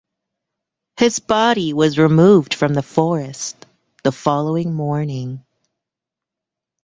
His body was removed from the forest the following morning.